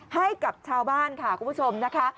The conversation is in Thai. ให้กับชาวบ้านค่ะคุณผู้ชมนะคะ